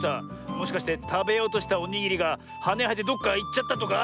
もしかしてたべようとしたおにぎりがはねはえてどっかいっちゃったとか？